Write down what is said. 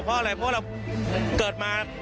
เพราะอะไรเพราะเราเกิดมา